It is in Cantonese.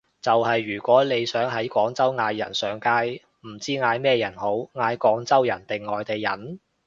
就係如果你想喺廣州嗌人上街，唔知嗌咩人好，嗌廣州人定外地人？